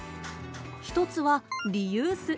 一つはリユース。